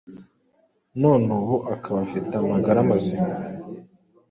none ubu akaba afite amagara mazima,